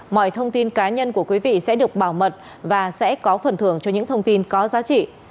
mọi thông tin cá nhân của quý vị sẽ được bảo mật và sẽ có phần thưởng cho những thông tin có giá trị